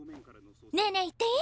ねえねえ言っていい？